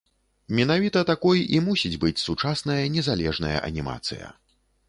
Менавіта такой і мусіць быць сучасная незалежная анімацыя.